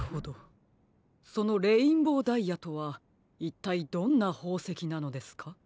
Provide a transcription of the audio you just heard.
そのレインボーダイヤとはいったいどんなほうせきなのですか？